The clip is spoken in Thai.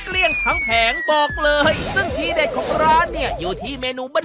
และก็ยังรายได้ละหมื่นต่อวัน